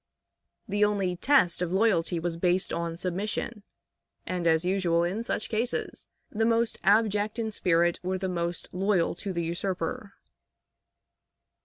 The only test of loyalty was based on submission, and, as usual in such cases, the most abject in spirit were the most loyal to the usurper.